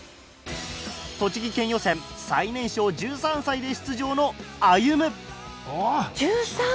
栃木県予選最年少１３歳で出場のＡＹＵＭＵ。